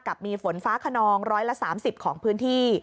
กับมีฝนฟ้าคนองร้อยละ๓๐ของพื้นที่